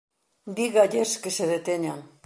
Dígalles que se deteñan.